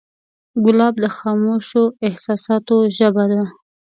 ګلاب د خاموشو احساساتو ژبه ده.